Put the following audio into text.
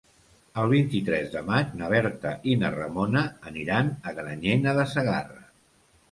El vint-i-tres de maig na Berta i na Ramona aniran a Granyena de Segarra.